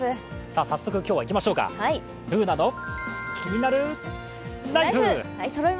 早速今日はいきましょうか「ＢｏｏｎａのキニナルＬＩＦＥ」